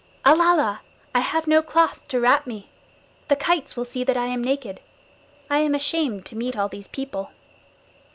Alala! I have no cloth to wrap me. The kites will see that I am naked. I am ashamed to meet all these people.